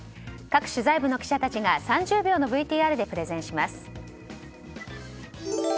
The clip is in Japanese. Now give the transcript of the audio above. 各取材部の記者たちが３０秒のＶＴＲでプレゼンします。